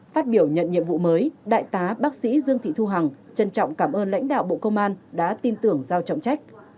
phát biểu nhận nhiệm vụ mới đại tá bác sĩ dương thị thu hằng trân trọng cảm ơn lãnh đạo bộ công an đã tin tưởng giao trọng trách